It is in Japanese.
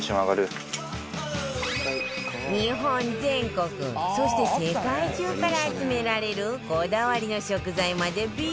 日本全国そして世界中から集められるこだわりの食材までびっしり